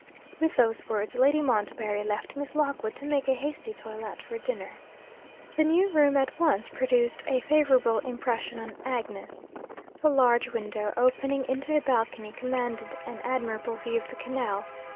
With those words, Lady Montbarry left Miss Lockwood to make a hasty toilet for dinner. The new room at once produced a favourable impression on Agnes. The large window, opening into a balcony, commanded an admirable view of the canal.